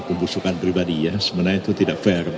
pembusukan pribadi ya sebenarnya itu tidak fair